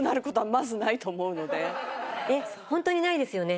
えっホントにないですよね。